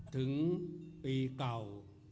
ถึงปีเก่า